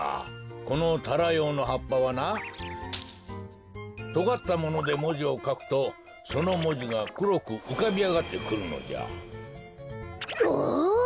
このタラヨウのはっぱはなとがったものでもじをかくとそのもじがくろくうかびあがってくるのじゃ。わ！